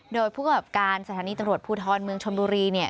โดยผู้กรรมการสถานีตำรวจภูทรเมืองชนบุรี